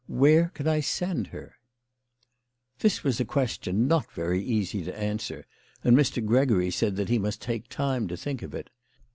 Where can I send her ?" This was a question not very easy to answer, and Mr. Gregory said that he must take time to think of it.